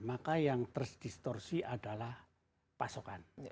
maka yang terdistorsi adalah pasokan